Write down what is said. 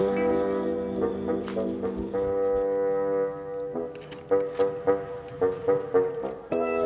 idoi ada apa idoi kesini